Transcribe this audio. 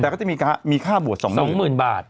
แต่ก็จะมีค่ามีค่าบวชสองหมื่นสองหมื่นบาท